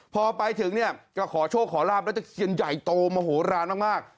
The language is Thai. พอไปถึงเนี่ยก็ขอโชคขอลาบแล้วตะเคียนใหญ่โตมโหลานมาก